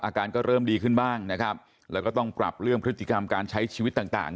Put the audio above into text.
อาการก็เริ่มดีขึ้นบ้างนะครับแล้วก็ต้องปรับเรื่องพฤติกรรมการใช้ชีวิตต่างต่าง